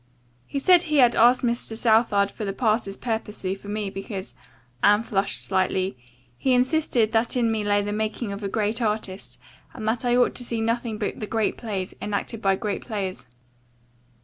He said he had asked Mr. Southard for the passes purposely for me, because," Anne flushed slightly, "he insisted that in me lay the making of a great artist, and that I ought to see nothing but the great plays, enacted by great players."